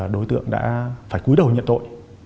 đối tượng đã phải cúi đầu nhận tội